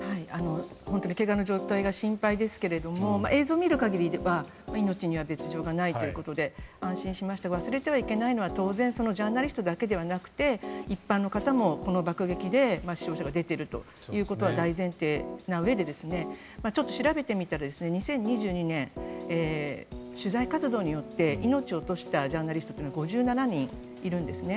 本当に怪我の状態が心配ですけれども映像を見る限りでは命に別条はないということで安心しましたが忘れてはいけないのは当然ジャーナリストだけではなくて一般の方もこの爆撃で死傷者が出ているということは大前提なうえでちょっと調べてみたら２０２２年取材活動によって命を落としたジャーナリストは５７人いるんですね。